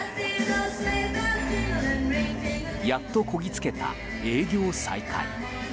やっとこぎつけた営業再開。